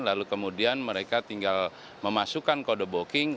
lalu kemudian mereka tinggal memasukkan kode bocking